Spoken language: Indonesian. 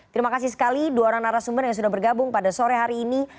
terima kasih sekali dua orang narasumber yang sudah bergabung pada sore hari ini